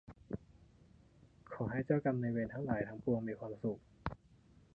ขอให้เจ้ากรรมนายเวรทั้งหลายทั้งปวงมีความสุข